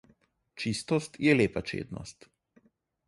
Čistost je lepa čednost.